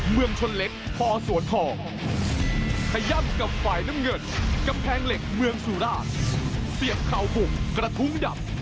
เมืองสุราชเสียบข่าวบุกกระทุ้งดับ